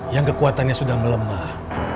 yang kekuatannya sudah melemah